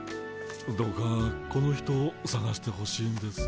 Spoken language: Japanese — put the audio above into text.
どうかこの人をさがしてほしいんです。